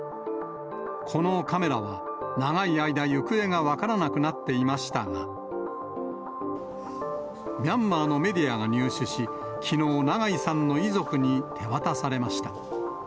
このカメラは、長い間行方が分からなくなっていましたが、ミャンマーのメディアが入手し、きのう、長井さんの遺族に手渡されました。